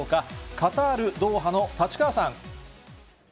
カタール・ドーハの立川さん。